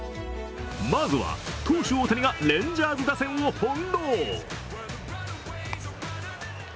まずは投手・大谷がレンジャーズ打線を翻弄。